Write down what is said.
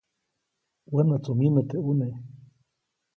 Wänätsu myinä teʼ ʼune.